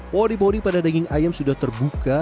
pori pori pada daging ayam sudah terbuka